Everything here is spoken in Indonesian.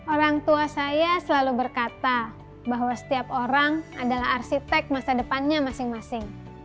orang tua saya selalu berkata bahwa setiap orang adalah arsitek masa depannya masing masing